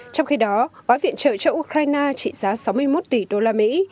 trong khi đó gói viện trợ cho ukraine trị giá sáu mươi một tỷ đô la mỹ